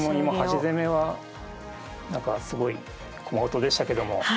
今端攻めはすごい駒音でしたけども。